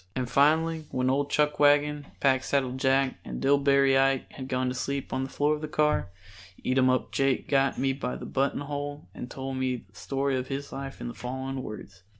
And finally when old Chuckwagon, Packsaddle Jack and Dillbery Ike had gone to sleep on the floor of the car, Eatumup Jake got me by the button hole and told me the story of his life in the following words.